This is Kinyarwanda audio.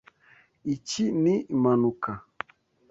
Iki ni impanuka.